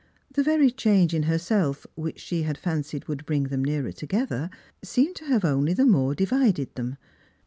The very change in herself, which she had fancied would bring them nearer together, seemed to have only the more divided them.